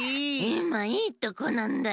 いまいいとこなんだよ！